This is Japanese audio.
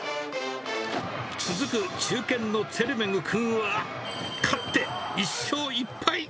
続く中堅のツェルメグ君は、勝って１勝１敗。